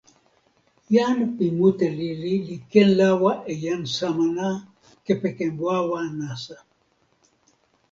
jan pi mute lili li ken lawa e jan Samana kepeken wawa nasa.